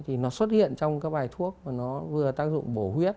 thì nó xuất hiện trong các bài thuốc mà nó vừa tác dụng bổ huyết